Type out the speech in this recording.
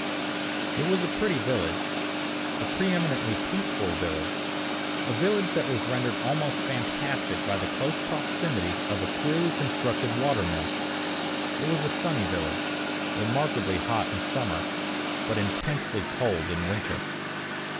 It was a pretty village, a pre eminently peaceful village; a village that was rendered almost fantastic by the close proximity of a queerly constructed water mill; it was a sunny village, remarkably hot in summer, but intensely cold in winter.